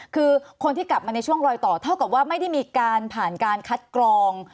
คือคนที่กลับมาในช่วงรอยต่อเท่ากับว่าไม่ได้มีการผ่านการคัดกรอง